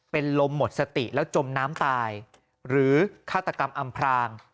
เป็นลมหมดสติแล้วจมน้ำตายหรือฆาตกรรมอำพราง